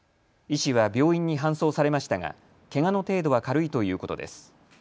医師は病院に搬送されましたがけがの程度は軽いということです。